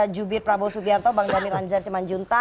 jubir prabowo subianto bang jamil anzar simanjunta